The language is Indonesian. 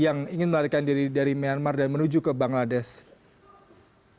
yang ingin melarikan diri dari myanmar dan menuju ke bangladesh